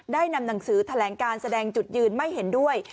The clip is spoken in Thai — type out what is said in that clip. ได้นำหนังสือแถลงการแสดงจุดยืนไม่เห็นด้วย